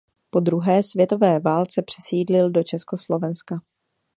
Po druhé světové válce přesídlil do Československa.